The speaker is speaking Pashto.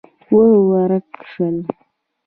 او، ورک شول